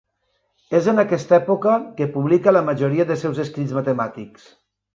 És en aquesta època que publica la majoria dels seus escrits matemàtics.